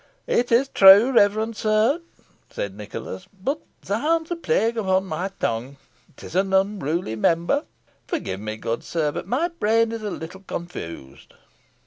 "It is too true, reverend sir," said Nicholas; "but, zounds! a plague upon my tongue it is an unruly member. Forgive me, good sir, but my brain is a little confused."